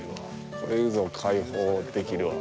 これぞ解放できるわ。